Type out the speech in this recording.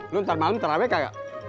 lo ntar malem terawih kak